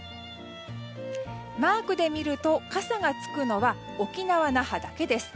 マークで見ると傘がつくのは沖縄・那覇だけです。